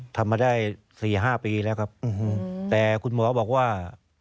ทำมาได้๔๕ปีแล้วครับแต่คุณหมอบอกว่า